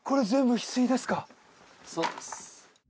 そうです